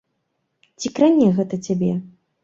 Ці кране гэта цябе?